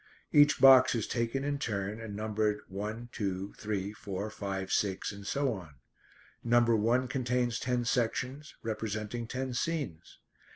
Each box is taken in turn and numbered one, two, three, four, five, six, and so on. Number one contains ten sections, representing ten scenes.